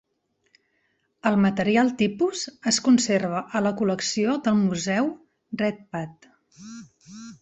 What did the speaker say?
El material tipus es conserva a la col·lecció del Museu Redpath.